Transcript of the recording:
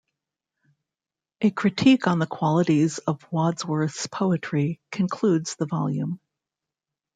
A critique on the qualities of Wordsworth's poetry concludes the volume.